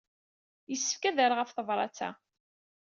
Yessefk ad rreɣ ɣef tebṛat-a.